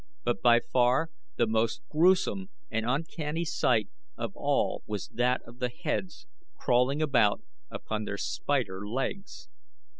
But by far the most grewsome and uncanny sight of all was that of the heads crawling about upon their spider legs.